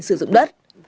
sử dụng đất